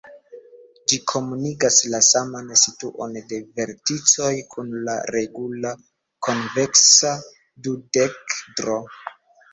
Ĝi komunigas la saman situon de verticoj kun la regula konveksa dudekedro.